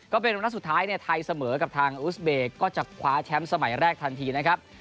ก็เป็นนัดสุดท้ายเนี่ยไทยเสมอกับทางอุสเบย์ก็จะคว้าแชมป์สมัยแรกทันทีนะครับ